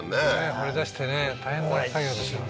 掘り出してね大変な作業ですよね